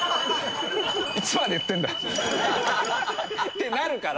いつまで言ってるんだってなるから。